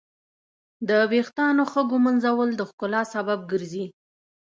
د ویښتانو ښه ږمنځول د ښکلا سبب ګرځي.